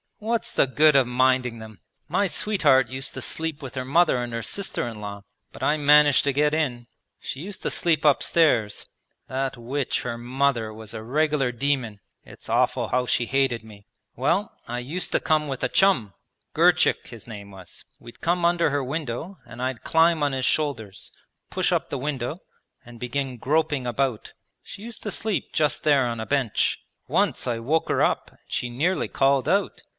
What's the good of minding them? My sweetheart used to sleep with her mother and her sister in law, but I managed to get in. She used to sleep upstairs; that witch her mother was a regular demon; it's awful how she hated me. Well, I used to come with a chum, Girchik his name was. We'd come under her window and I'd climb on his shoulders, push up the window and begin groping about. She used to sleep just there on a bench. Once I woke her up and she nearly called out.